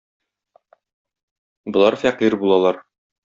Болар фәкыйрь булалар.